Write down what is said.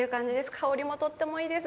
香りもとってもいいです。